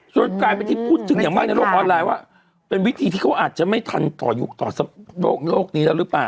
กลายเป็นที่พูดถึงอย่างมากในโลกออนไลน์ว่าเป็นวิธีที่เขาอาจจะไม่ทันต่อยุคต่อโลกนี้แล้วหรือเปล่า